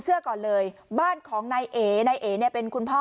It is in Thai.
ก่อนเลยบ้านของนายเอ๋นายเอ๋เนี่ยเป็นคุณพ่อ